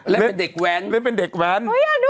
เล่นเป็นเด็กแวน